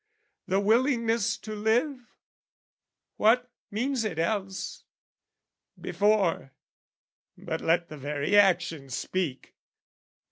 The willingness to live, what means it else? Before, but let the very action speak!